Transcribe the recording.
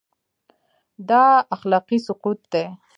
دا اخلاقي سقوط دی.